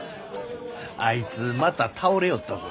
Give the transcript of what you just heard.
あいつまた倒れよったぞ。